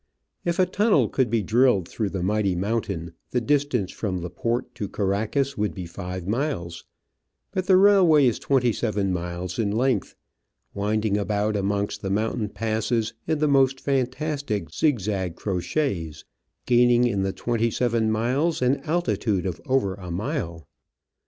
If a tunnel could be drilled through the mighty mountain, the distance from the port to Caracas would be five miles ; but the railway is twenty seven miles in length, winding about amongst the mountain passes in the most fantastic zig zag crotchets, gaining in the twenty seven miles an altitude of over a mile.